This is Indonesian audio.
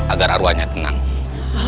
agar arwahnya tenang